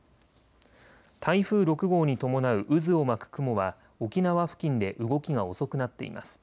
台風６号に伴う渦を巻く雲は沖縄付近で動きが遅くなっています。